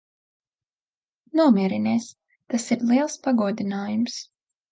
Nomierinies. Tas ir liels pagodinājums.